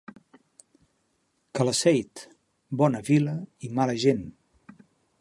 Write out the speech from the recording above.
Calaceit, bona vila i mala gent.